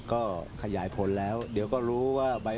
ก็ขยายผลแล้วครับ